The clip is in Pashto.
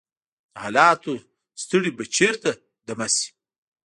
د حالاتو ستړی به چیرته دمه شي؟